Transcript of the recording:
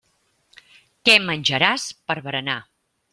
Què menjaràs per berenar.